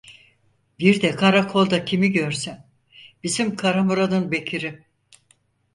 Bir de karakolda kimi görsem: Bizim Kara Muradın Bekir'i.